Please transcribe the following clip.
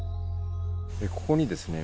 ここにですね